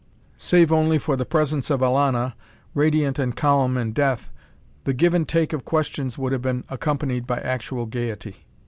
Save only for the presence of Elana, radiant and calm in death, the give and take of questions would have been accompanied by actual gaiety.